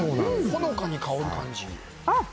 ほのかに香る感じ。